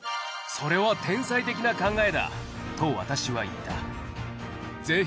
それは天才的な考えだと私は言った。